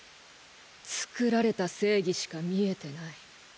つくられた正義しか見えてない。